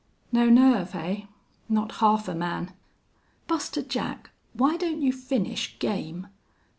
"No nerve, hey? Not half a man!... Buster Jack, why don't you finish game?